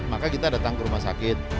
maka kita datang ke rumah sakit